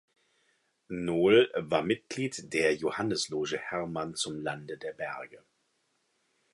Nohl war Mitglied der Johannisloge Hermann zum Lande der Berge.